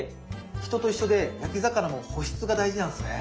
人と一緒で焼き魚も保湿が大事なんですね。